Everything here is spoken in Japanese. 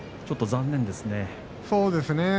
ちょっと残念ですね。